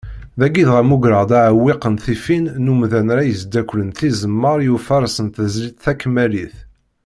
Dagi dɣa mmugreɣ-d aɛewwiq n tifin n umdan ara d-yesdakklen tizemmar i ufares n tezlit takemmalit.